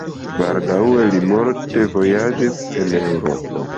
Baldaŭe li multe vojaĝis en Eŭropo.